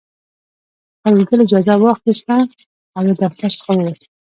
فریدګل اجازه واخیسته او له دفتر څخه ووت